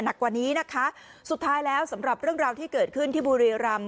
หนักกว่านี้นะคะสุดท้ายแล้วสำหรับเรื่องราวที่เกิดขึ้นที่บุรีรำ